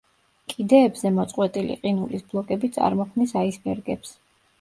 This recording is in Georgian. კიდეებზე მოწყვეტილი ყინულის ბლოკები წარმოქმნის აისბერგებს.